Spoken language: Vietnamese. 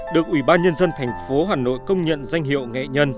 được ủy ban nhân dân thành phố hà nội công nhận danh hiệu nghệ nhân